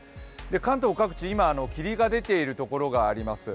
関東各地、今、霧が出ている所があります。